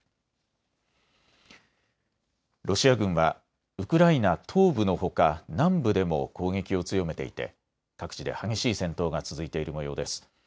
ロシア軍はウクライナ東部のほか南部でも攻撃を強めていて各地で激しい戦闘が続いているもようです。